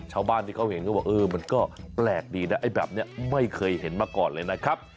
ชาวบ้านที่เขาเห็นก็บอกเออมันก็แปลกดีนะไอ้แบบนี้ไม่เคยเห็นมาก่อนเลยนะครับ